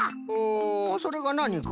んそれがなにか？